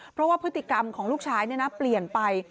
เพราะว่าพฤติกรรมของลูกชายเปลี่ยนไป